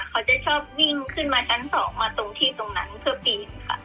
เขาจะชอบวิ่งขึ้นมาชั้นสองมาตรงที่ตรงนั้นเพื่อปีนค่ะ